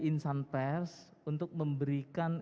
insanpers untuk memberikan